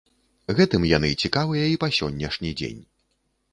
Гэтым яны цікавыя і па сягонняшні дзень.